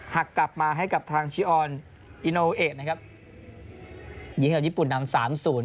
หักกลับมาให้กับทางชิออนอิโนเอนะครับยิงให้กับญี่ปุ่นนำสามศูนย์